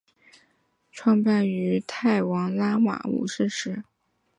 创办于泰王拉玛五世时。